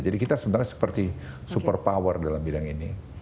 jadi kita sebenarnya seperti super power dalam bidang ini